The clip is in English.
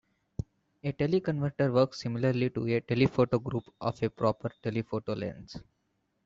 A teleconverter works similarly to a "telephoto group" of a proper telephoto lens.